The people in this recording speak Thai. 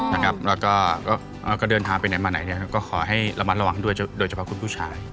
อ๋อนะครับแล้วก็เดินทางไปไหนมาไหนเนี่ยก็ขอให้ระมัดระวังโดยเฉพาะคุณผู้ชาย